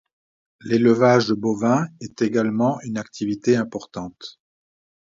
L'élevage de bovins est également une activité importante.